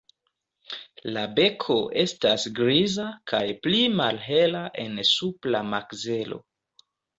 La beko estas griza kaj pli malhela en supra makzelo.